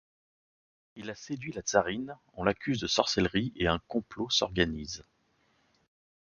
Il a séduit la tsarine, on l'accuse de sorcellerie, et un complot s'organise.